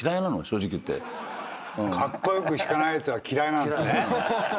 カッコ良く弾かないやつは嫌いなんですね。